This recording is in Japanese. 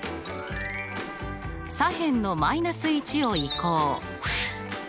左辺の−１を移項。